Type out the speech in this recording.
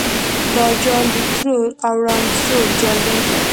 دا جال د ترور او ړانده زوړ جال دی.